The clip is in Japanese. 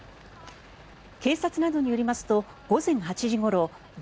警察などによりますと午前８時ごろ